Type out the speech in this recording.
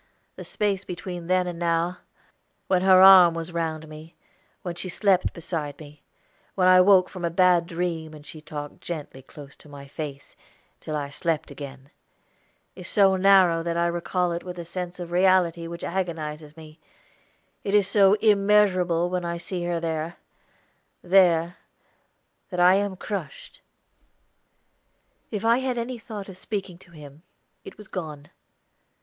"The space between then and now when her arm was round me, when she slept beside me, when I woke from a bad dream, and she talked gently close to my face, till I slept again is so narrow that I recall it with a sense of reality which agonizes me; it is so immeasurable when I see her there there, that I am crushed." If I had had any thought of speaking to him, it was gone.